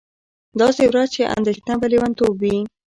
داسې ورځ چې اندېښنه به لېونتوب وي